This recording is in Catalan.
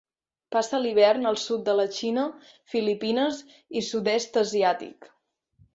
Passa l'hivern al sud de la Xina, Filipines i Sud-est asiàtic.